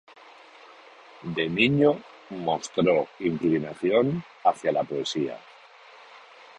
De niño mostró inclinación hacia la poesía.